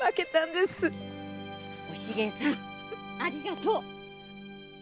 おしげさんありがとう！